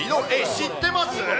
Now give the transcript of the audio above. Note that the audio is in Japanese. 知ってます。